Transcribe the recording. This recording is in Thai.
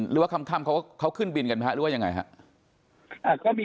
หรือค่ำเข้าขึ้นบินกันไหม